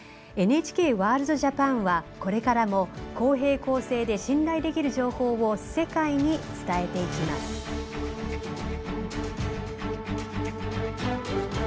「ＮＨＫワールドＪＡＰＡＮ」はこれからも公平・公正で信頼できる情報を世界に伝えていきます。